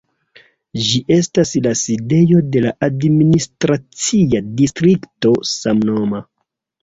Ĝi estas la sidejo de la administracia distrikto samnoma.